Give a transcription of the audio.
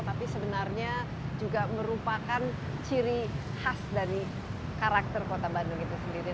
tapi sebenarnya juga merupakan ciri khas dari karakter kota bandung itu sendiri